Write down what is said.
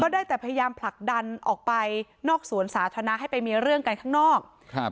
ได้แต่พยายามผลักดันออกไปนอกสวนสาธารณะให้ไปมีเรื่องกันข้างนอกครับ